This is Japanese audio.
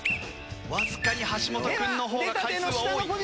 わずかに橋本君の方が回数は多い。